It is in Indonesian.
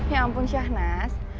ya ampun syahnaz